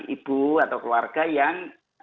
ibu atau keluarga yang